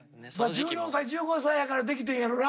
１４歳１５歳やからできてんやろな。